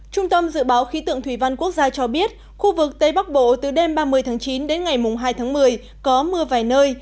trung tâm dự báo khí tượng thủy văn quốc gia cho biết khu vực tây bắc bộ từ đêm ba mươi tháng chín đến ngày mùng hai tháng một mươi có mưa vài nơi